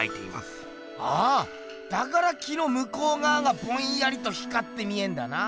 ああだから木のむこうがわがぼんやりと光って見えんだな。